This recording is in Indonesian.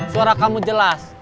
suara kamu jelas